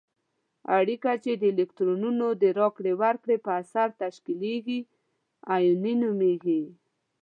اړیکه چې د الکترونونو د راکړې ورکړې په اثر تشکیلیږي آیوني نومیږي.